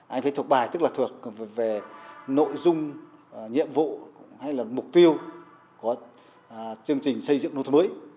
anh phải thuộc bài tức là thuộc về nội dung nhiệm vụ hay là mục tiêu của chương trình xây dựng nông thôn mới